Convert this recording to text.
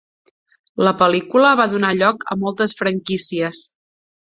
La pel·lícula va donar lloc a moltes franquícies.